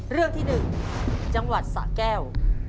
เรื่องที่๑จังหวัดสะแก้ว